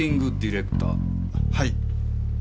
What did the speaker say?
はい。